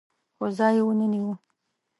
خو ځای یې ونه نیو